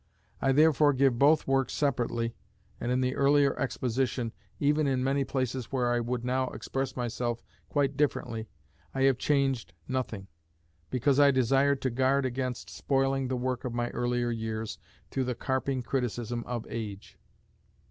I therefore give both works separately, and in the earlier exposition, even in many places where I would now express myself quite differently, I have changed nothing, because I desired to guard against spoiling the work of my earlier years through the carping criticism of age.